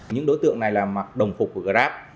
những đối tượng này là mặc đồng phục của grab